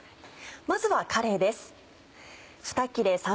まずはかれいです。